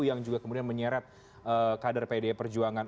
yang juga kemudian menyeret kader pdi perjuangan